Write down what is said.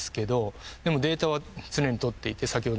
でもデータは常にとっていて先ほど。